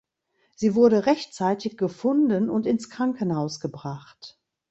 Sie wurde rechtzeitig gefunden und ins Krankenhaus gebracht.